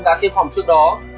đã thiêm phòng trước đó